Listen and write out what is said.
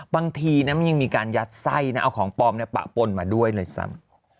บางทีนะมันยังมีการยัดไส้นะเอาของปลอมปะปนมาด้วยเลยซ้ำ